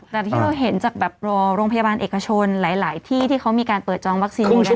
แต่ที่เราเห็นจากแบบรอโรงพยาบาลเอกชนหลายที่ที่เขามีการเปิดจองวัคซีนอยู่ใช่ไหม